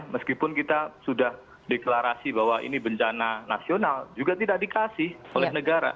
meskipun kita sudah deklarasi bahwa ini bencana nasional juga tidak dikasih oleh negara